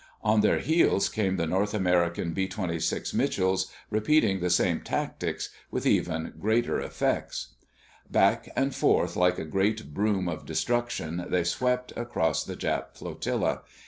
On their heels came the North American B 26 Mitchells, repeating the same tactics, with even greater effect. Back and forth like a great broom of destruction they swept across the Jap flotilla.